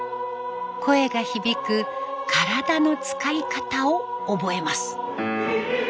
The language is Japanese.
声が響く体の使い方を覚えます。